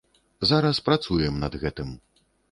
Зараз працуем над гэтым.